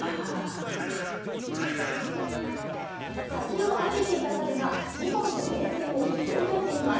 先を歩いていた猿が２本の電線を広げています。